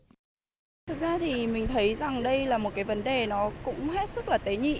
thực ra thì mình thấy rằng đây là một cái vấn đề nó cũng hết sức là tế nhị